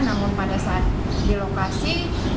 namun pada saat di lokasi